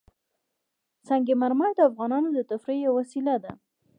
سنگ مرمر د افغانانو د تفریح یوه وسیله ده.